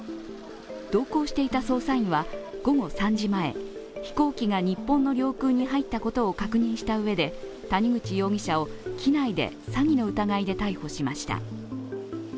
同行していた捜査員は午後３時前飛行機が日本の領空に入ったことを確認したうえで谷口容疑者を機内で詐欺の疑いで逮捕しました。